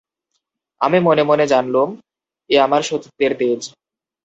আমি মনে মনে জানলুম, এ আমার সতীত্বের তেজ।